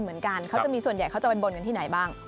เหมือนกันเขาจะมีส่วนใหญ่เขาจะไปบนกันที่ไหนบ้าง